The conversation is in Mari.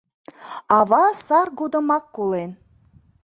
Ава сар годымак колен.